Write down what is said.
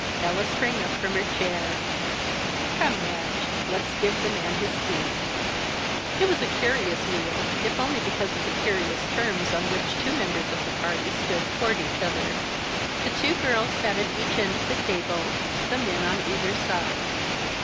Ella sprang up from her chair. "Come, Madge, let's give the man his tea." It was a curious meal if only because of the curious terms on which two members of the party stood toward each other. The two girls sat at each end of the table, the men on either side.